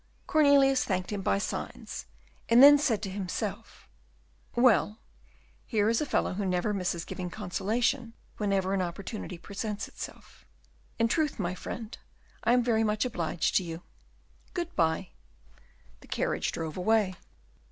Cornelius thanked him by signs, and then said to himself, "Well, here is a fellow who never misses giving consolation whenever an opportunity presents itself. In truth, my friend, I'm very much obliged to you. Goodbye." The carriage drove away.